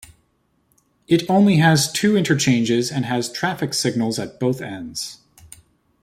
It only has two interchanges and has traffic signals at both ends.